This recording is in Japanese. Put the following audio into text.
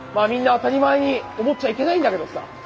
みんな当たり前に思っちゃいけないんだけどさ